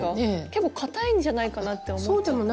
結構かたいんじゃないかなって思っちゃった。